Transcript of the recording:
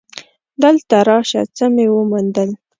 دلته راشه څه مې وموندل.